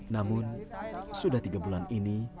namun sudah tiga bulan ini